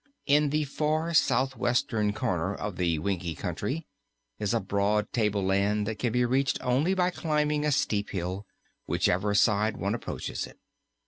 In the far southwestern corner of the Winkie Country is a broad tableland that can be reached only by climbing a steep hill, whichever side one approaches it.